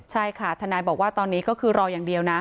ใช่ค่ะทนายบอกว่าตอนนี้ก็คือรออย่างเดียวนะ